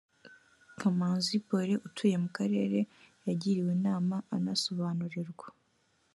kamanzi paulin utuye mu karere yagiriwe inama anasobanurirwa